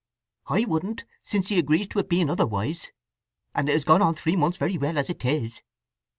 "I wouldn't—since he agrees to it being otherwise, and it has gone on three months very well as it is."